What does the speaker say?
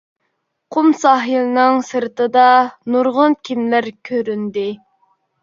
قۇم ساھىلنىڭ سىرتىدا نۇرغۇن كېمىلەر كۆرۈندى.